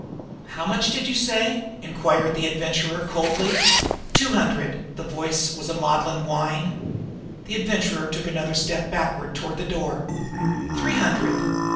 "How much did you say?" inquired the Adventurer coldly. "Two hundred." The voice was a maudlin whine. The Adventurer took another backward step toward the door. "Three hundred!"